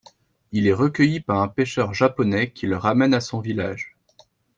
Il est recueilli par un pêcheur japonais qui le ramène à son village.